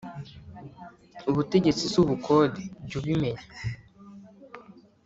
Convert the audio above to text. Ubutegetsi si ubukonde jyu bimenya